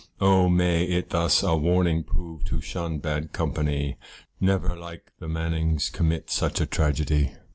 Oh! may it thus a warning prove to shun bad company, Never like the Mannings commit such a tragedy.